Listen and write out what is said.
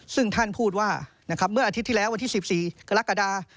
ซึ่งท่านพูดว่าเมื่ออาทิตย์ที่แล้ววันที่๑๔กรกฎา